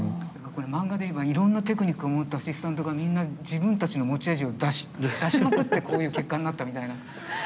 これ漫画で言えばいろんなテクニックを持ったアシスタントがみんな自分たちの持ち味を出しまくってこういう結果になったみたいな。